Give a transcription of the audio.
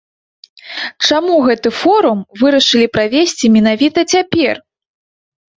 Чаму гэты форум вырашылі правесці менавіта цяпер?